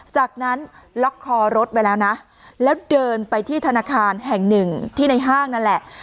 จากนั้นล็อกคอรถไว้แล้วนะแล้วเดินไปที่ธนาคารแห่งหนึ่งที่ในห้างนั่นแหละ